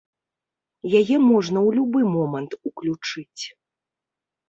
Яе можна ў любы момант уключыць.